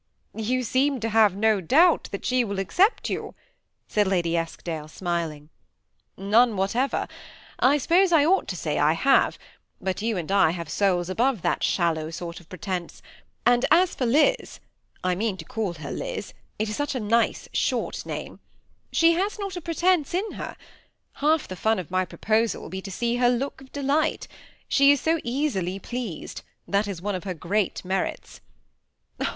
^You seem to have no doubt that she will accept you ?" said Lady Eskdale, smiling. '^ None whatever. I suppose I ought to say, I have ; but you and I have souls above that shallow sort of 354 THE SEin ATTACHED COUPLE. pretence ; and as for Liz, (I mean to call her Liz, it is such a nice short name,) she has not a pretence in her. Half the fun of my proposal will be, to see her look of delight She is so easily pleased ; that is one of her great merits."